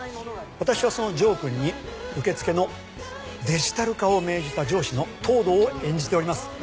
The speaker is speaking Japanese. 私はその城君に受付のデジタル化を命じた上司の藤堂を演じております。